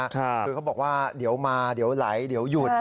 คือเขาบอกว่าเดี๋ยวมาเดี๋ยวไหลเดี๋ยวหยุด